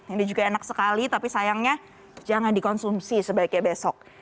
ini juga enak sekali tapi sayangnya jangan dikonsumsi sebaiknya besok